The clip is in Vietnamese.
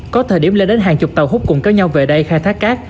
có thời điểm lên đến hàng chục tàu hút cùng các nhau về đây khai thác cát